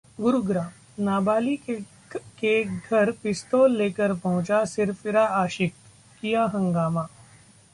गुरुग्राम: नाबालिग के घर पिस्तौल लेकर पहुंचा सिरफिरा आशिक, किया हंगामा